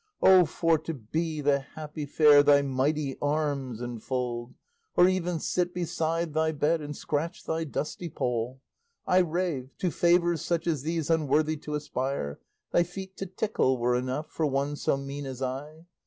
O for to be the happy fair Thy mighty arms enfold, Or even sit beside thy bed And scratch thy dusty poll! I rave,—to favours such as these Unworthy to aspire; Thy feet to tickle were enough For one so mean as I.